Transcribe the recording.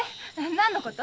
何のこと？